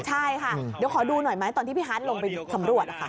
ใช่ค่ะเดี๋ยวขอดูหน่อยไหมตอนที่พี่ฮาร์ดลงไปสำรวจ